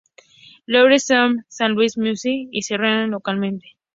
Louis Assembly, San Luis, Misuri, y se reunieron localmente.